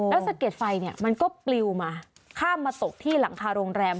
แล้วสะเก็ดไฟเนี่ยมันก็ปลิวมาข้ามมาตกที่หลังคาโรงแรม